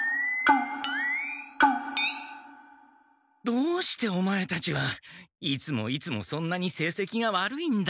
どうしてオマエたちはいつもいつもそんなにせいせきが悪いんだ。